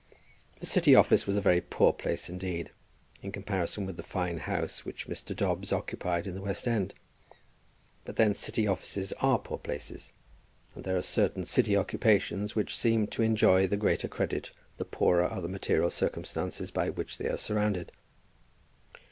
The City office was a very poor place indeed, in comparison with the fine house which Mr. Dobbs occupied at the West End; but then City offices are poor places, and there are certain City occupations which seem to enjoy the greater credit the poorer are the material circumstances by which they are surrounded.